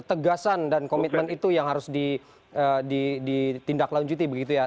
ketegasan dan komitmen itu yang harus ditindaklanjuti begitu ya